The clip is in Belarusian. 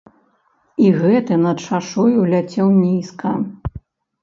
І гэты над шашою ляцеў нізка.